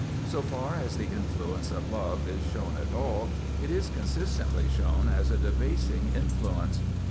So far as the influence of love is shown at all, it is consistently shown as a debasing influence.